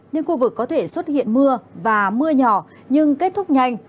nên khu vực có thể xuất hiện mưa và mưa nhỏ nhưng kết thúc nhanh